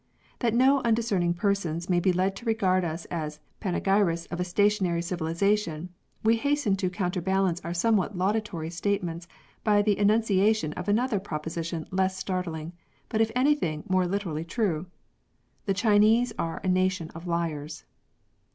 That no un discerning persons may be led to regard us as pane gyrists of a stationary civilisation, we hasten to coun terbalance our somewhat laudatory statements by the enunciation of another proposition less startling, but if anything more literally true. The Chinese are a nation of liars.